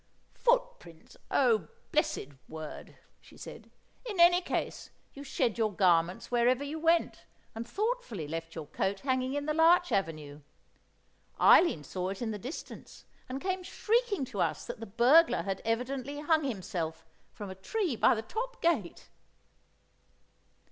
"Footprints, oh, blessed word!" she said. "In any case, you shed your garments wherever you went, and thoughtfully left your coat hanging in the larch avenue; Eileen saw it in the distance and came shrieking to us that the burglar had evidently hung himself from a tree by the top gate!"